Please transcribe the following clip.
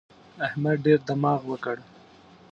احمد ډېر دماغ وکړ.